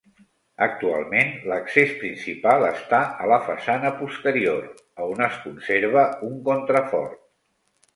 Actualment l'accés principal està a la façana posterior, a on es conserva un contrafort.